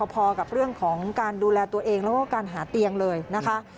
พอกับเรื่องของการดูแลตัวเองแล้วก็การหาเตียงเลยนะคะ